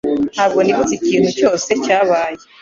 Ntabwo nibutse ikintu cyose cyabaye